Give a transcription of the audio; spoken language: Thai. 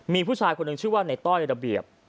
มีผู้ชายคนหนึ่งชื่อว่าในต้อยระเบียบ